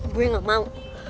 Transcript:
gue gak mau